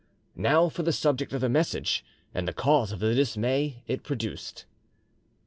Now for the subject of the message, and the cause of the dismay it produced.